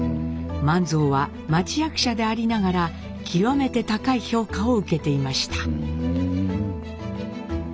万蔵は町役者でありながら極めて高い評価を受けていました。